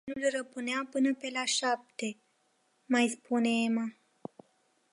Pe el nu-l răpunea până pe la șapte, mai spune Ema.